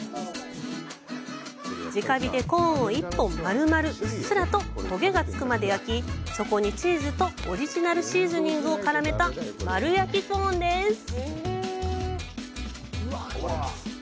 直火でコーンを１本丸々うっすらと焦げがつくまで焼き、そこにチーズとオリジナルシーズニングを絡めた丸焼きコーンです。